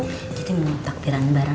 kita mau takbiran bareng